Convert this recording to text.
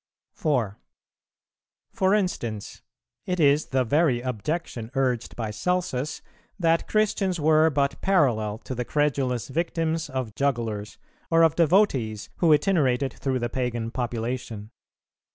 4. For instance, it is the very objection urged by Celsus, that Christians were but parallel to the credulous victims of jugglers or of devotees, who itinerated through the pagan population.